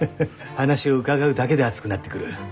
話を伺うだけで熱くなってくる。